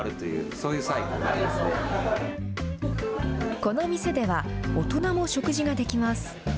この店では、大人も食事ができます。